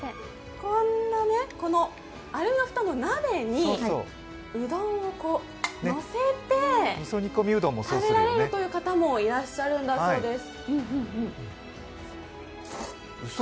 アルミの鍋の蓋にうどんをのせて食べられるという方もいらっしゃるんだそうです。